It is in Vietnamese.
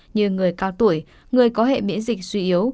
như người cao tuổi người có hệ miễn dịch suy yếu